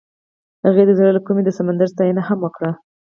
هغې د زړه له کومې د سمندر ستاینه هم وکړه.